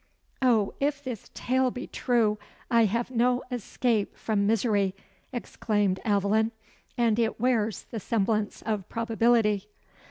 "O, if this tale be true, I have no escape from misery!" exclaimed Aveline. "And it wears the semblance of probability."